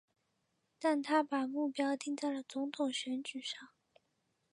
但他把目标定在了总统选举上。